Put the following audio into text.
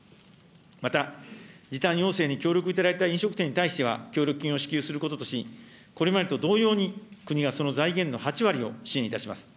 また時短要請に協力いただいた飲食店に対しては、協力金を支給することとし、これまでと同様に、国がその財源の８割を支援いたします。